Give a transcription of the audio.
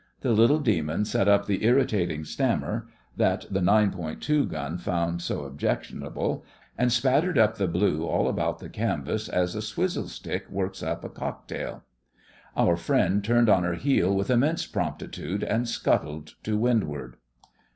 The little demon set up the 'irritating stammer' that the nine point two gun found so objectionable, and spattered up the blue all about the canvas, as a swizzle stick works up a cocktail. Our friend turned on her heel with immense promptitude and scuttled to windward.